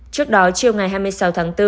trước đó chiều ngày hai mươi sáu tháng bốn